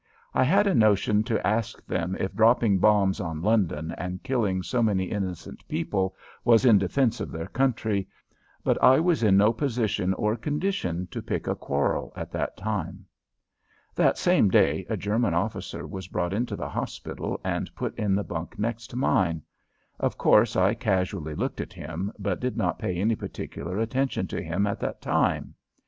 I had a notion to ask them if dropping bombs on London and killing so many innocent people was in defense of their country, but I was in no position or condition to pick a quarrel at that time. That same day a German officer was brought into the hospital and put in the bunk next to mine. Of course, I casually looked at him, but did not pay any particular attention to him at that time.